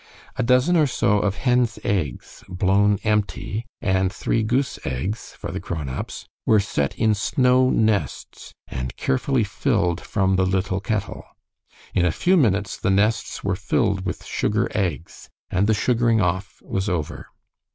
A dozen or so of hens' eggs, blown empty, and three goose eggs for the grown ups, were set in snow nests, and carefully filled from the little kettle. In a few minutes the nests were filled with sugar eggs, and the sugaring off was over.